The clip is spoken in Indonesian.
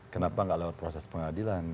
kenapa nggak lewat proses pengadilan